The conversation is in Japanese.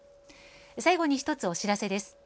最後に１つお知らせです。